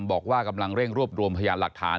บอกว่ากำลังเร่งรวบรวมพยานหลักฐาน